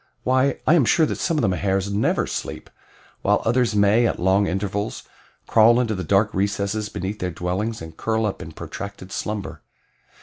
Why, I am sure that some of the Mahars never sleep, while others may, at long intervals, crawl into the dark recesses beneath their dwellings and curl up in protracted slumber.